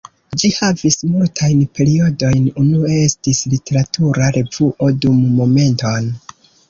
Ĝi havis multajn periodojn, unue estis literatura revuo dum Momenton!